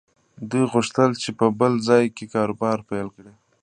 دوی غوښتل چې په بل ځای کې کاروبار پيل کړي.